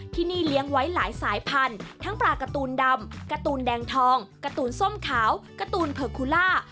ที่นี่เลี้ยงไว้หลายสายพันธุ์ทั้งปลาการ์ตูนดำการ์ตูนแดงทองการ์ตูนส้มขาวการ์ตูนเผอร์คูล่า